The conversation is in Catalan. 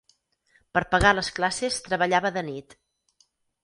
Per pagar les classes treballava de nit.